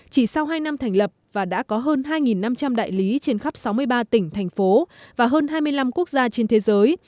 chỉ sau hai năm thành lập và đã có hơn hai năm trăm linh đại lý trên khắp sáu mươi ba tỉnh thành phố và hơn hai mươi năm quốc gia trên thế giới